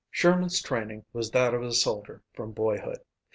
Sherman's training was that of a soldier from boyhood.